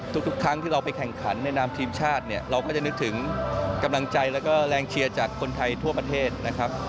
ทุกครั้งที่เราไปแข่งขันในนามทีมชาติเนี่ยเราก็จะนึกถึงกำลังใจแล้วก็แรงเชียร์จากคนไทยทั่วประเทศนะครับ